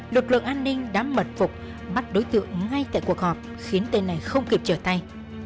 lực lượng an ninh đã mật phục bắt đối tượng ngay tại cuộc họp khiến tên này không kịp trở tay